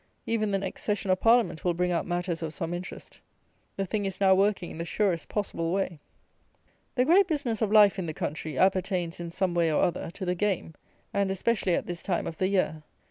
Even the next session of Parliament will bring out matters of some interest. The thing is now working in the surest possible way. The great business of life, in the country, appertains, in some way or other, to the game, and especially at this time of the year.